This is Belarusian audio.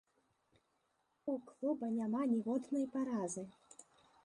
У клуба няма ніводнай паразы.